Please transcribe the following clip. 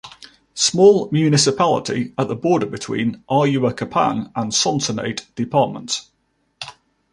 Small municipality at the border between Ahuachapan and Sonsonate Departments.